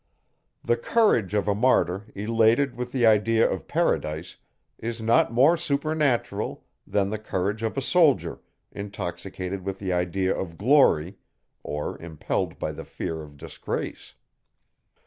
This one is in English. The courage of a martyr, elated with the idea of paradise, is not more supernatural, than the courage of a soldier, intoxicated with the idea of glory, or impelled by the fear of disgrace.